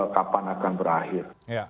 kapan akan berakhir